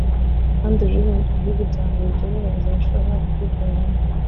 kandi ruri mu bihugu bya mbere byorohereza abashoramari kubikoreramo